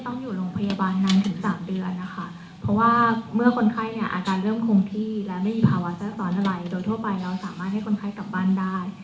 ต้องอยู่โรงพยาบาลนานถึงสามเดือนนะคะเพราะว่าเมื่อคนไข้เนี่ยอาการเริ่มคงที่และไม่มีภาวะแทรกซ้อนอะไรโดยทั่วไปเราสามารถให้คนไข้กลับบ้านได้